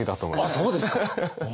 あっそうですか。